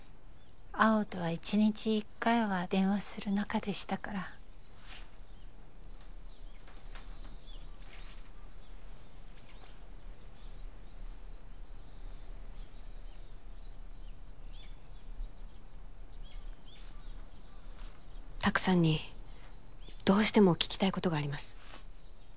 蒼生とは１日１回は電話する仲でしたから拓さんにどうしても聞きたいことがあります